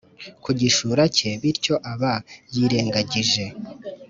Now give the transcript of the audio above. ku gishura cye, bityo aba yirengagije